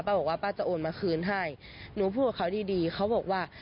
บอกว่าป้าจะโอนมาคืนให้หนูพูดกับเขาดีดีเขาบอกว่า